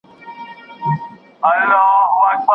شعر د شاعرانه تخیل هستي لري.